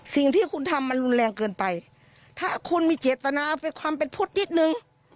สิ่งที่คุณทำมันรุนแรงเกินไปถ้าคุณมีเจตนาเอาไปความเป็นพุทธนิดนึง